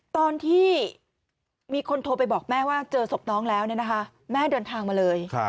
ตอนที่มีคนโทรไปบอกแม่ว่าเจอศพน้องแล้วแม่เดินทางมาเลย